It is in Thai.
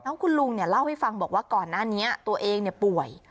แล้วคุณลุงเล่าให้ฟังบอกว่าก่อนหน้านี้ตัวเองป่วย